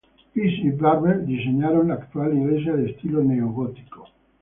Pease y Barber diseñaron la actual iglesia de estilo neogótico.